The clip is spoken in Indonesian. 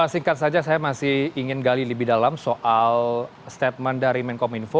singkat saja saya masih ingin gali lebih dalam soal statement dari menkom info